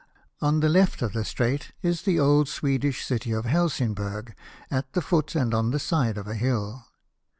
On the left of the strait is the old Swedish city of Helsingburg, at the foot, and on the side of a hill.